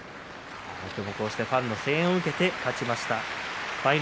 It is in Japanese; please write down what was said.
今日もファンの声援を受けて勝ちました。